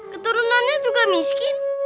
keturunannya juga miskin